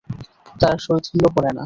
তারা শৈথিল্য করে না।